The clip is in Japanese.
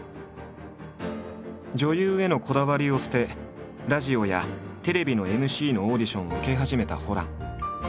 女優へのこだわりを捨てラジオやテレビのＭＣのオーディションを受け始めたホラン。